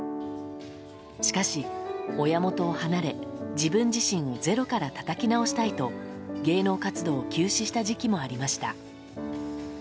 しかし、親元を離れ自分自身をゼロからたたき直したいと芸能活動を休止した時期もありました。